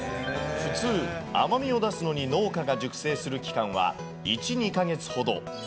普通、甘みを出すのに農家が熟成する期間は１、２か月ほど。